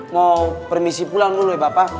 mau permisi pulang dulu ya bapak